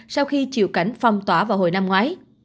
sau khi chịu cảnh phong tỏa vào hồi năm ngoái